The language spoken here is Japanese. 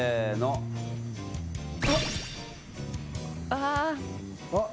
ああ。